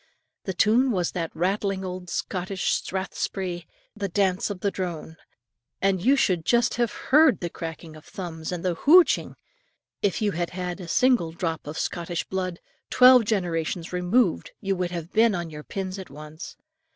The tune was that rattling old Scotch strathspey, "The Miller of Drone"; and you should just have heard the cracking of thumbs and the hooch ! ing, if you had had a single drop of Scottish blood, twelve generations removed, you would have been on your pins at once.